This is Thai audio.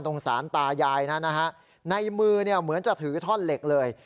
สารตายายนะฮะในมือเนี่ยเหมือนจะถือท่อนเหล็กเลย